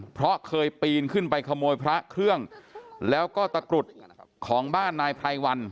เพราะเคยปีนขึ้นไปขโมยพระเครื่องแล้วก็ตะกรุดของบ้านนายไพรวัน